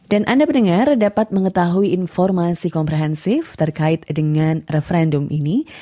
dan anda pendengar dapat mengetahui informasi komprehensif terkait dengan referendum ini